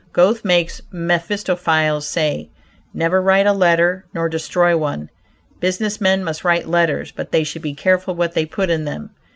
Goethe makes Mephistophilles say: "Never write a letter nor destroy one." Business men must write letters, but they should be careful what they put in them.